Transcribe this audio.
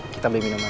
kita beli minuman